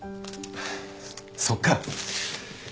そっか。